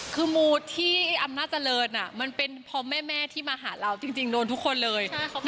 คือมูที่อำนาจเจริญมันเป็นเพราะแม่ที่มาหาเราจริงโดนทุกคนเลย